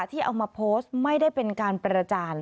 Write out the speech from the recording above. ที่เอามาโพสต์ไม่ได้เป็นการประจาน